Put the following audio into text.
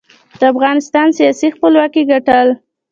د افغانستان سیاسي خپلواکۍ ګټل.